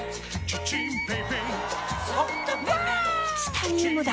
チタニウムだ！